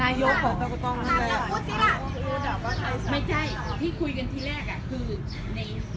ให้เขาโอกรับไหร่ไปไหม